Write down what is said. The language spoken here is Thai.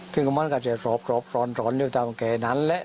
คือกับมันก็จะสอบร้อนอยู่ตามแก่นั้นแหละ